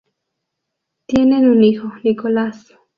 Tienen un hijo, Nicolás.